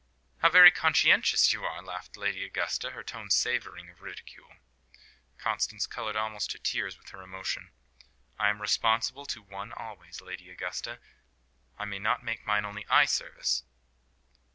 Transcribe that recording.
"How very conscientious you are!" laughed Lady Augusta, her tone savouring of ridicule. Constance coloured almost to tears with her emotion. "I am responsible to One always, Lady Augusta. I may not make mine only eye service."